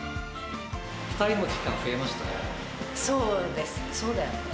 ２人の時間、そうですね、そうだよね。